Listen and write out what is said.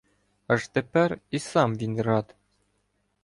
Аж тепер і сам він рад.